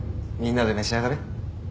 みんなで召し上がれ。